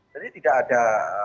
jadi tidak ada